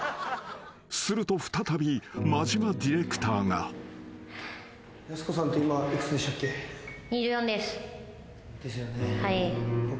［すると再び間島ディレクターが］ですよね。